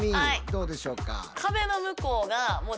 どうでしょうか？